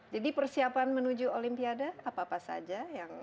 jadi persiapan menuju olimpiade apa apa saja